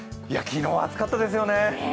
昨日、暑かったですよね。